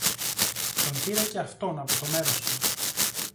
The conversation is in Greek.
Τον πήρε και αυτόν από το μέρος του.